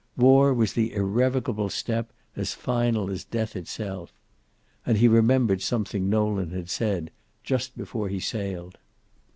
War was the irrevocable step, as final as death itself. And he remembered something Nolan had said, just before he sailed.